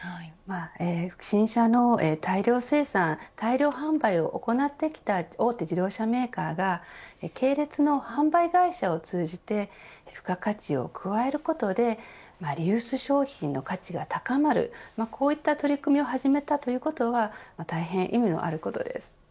新車の大量生産大量販売を行ってきた大手自動車メーカーが系列の販売会社を通じて付加価値を加えることでリユース商品の価値が高まるこういった取り組みを始めたということは大変意味のあることです。